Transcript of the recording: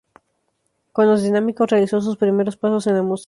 Con Los Dinámicos realizó sus primeros pasos en la música.